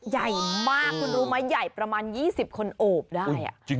ใหญ่มากคุณรู้ไหมใหญ่ประมาณ๒๐คนโอบได้